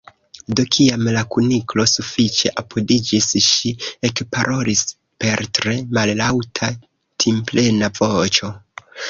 Do, kiam la Kuniklo sufiĉe apudiĝis, ŝi ekparolis per tre mallaŭta timplena voĉo.